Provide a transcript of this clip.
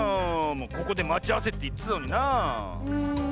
ここでまちあわせっていってたのになあ。